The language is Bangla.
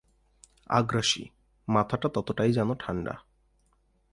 আগ্রাসী, মাথাটা ততটাই যেন ঠান্ডা